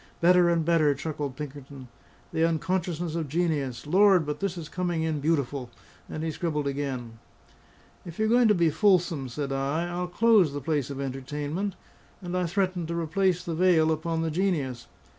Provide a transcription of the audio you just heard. "Better and better!" chuckled Pinkerton. "The unconsciousness of genius. Lord, but this is coming in beautiful!" and he scribbled again. "If you're going to be fulsome," said I, "I'll close the place of entertainment." And I threatened to replace the veil upon the Genius.